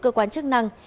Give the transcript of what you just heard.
cơ quan chức năng